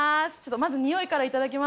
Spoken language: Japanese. まずにおいからいただきます。